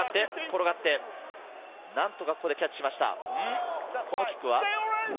何とか、ここでキャッチしました。